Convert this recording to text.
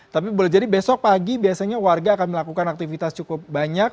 tapi boleh jadi besok pagi biasanya warga akan melakukan aktivitas cukup banyak